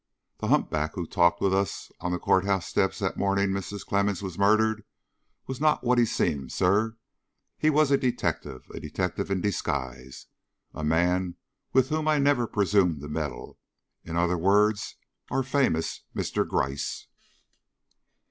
The humpback who talked with us on the court house steps the morning Mrs. Clemmens was murdered, was not what he seemed, sir. He was a detective; a detective in disguise; a man with whom I never presume to meddle in other words, our famous Mr. Gryce."